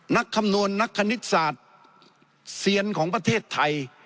คำนวณนักคณิตศาสตร์เซียนของประเทศไทย